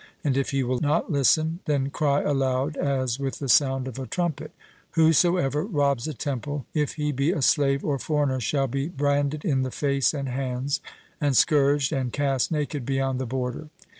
And if he will not listen, then cry aloud as with the sound of a trumpet: Whosoever robs a temple, if he be a slave or foreigner shall be branded in the face and hands, and scourged, and cast naked beyond the border.